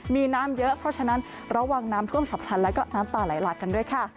มีน้ำเยอะเพราะฉะนั้นระวังน้ำท่วมฉับพลันและก็น้ำป่าไหลหลากกันด้วยค่ะ